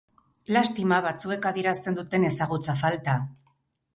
Lastima batzuek adierazten duten ezagutza falta.